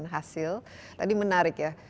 hasil tadi menarik ya